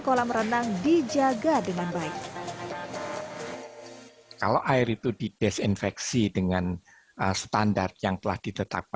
kolam renang dijaga dengan baik kalau air itu didesinfeksi dengan standar yang telah ditetapkan